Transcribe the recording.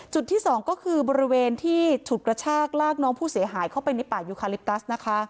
ที่สองก็คือบริเวณที่ฉุดกระชากลากน้องผู้เสียหายเข้าไปในป่ายูคาลิปตัสนะคะ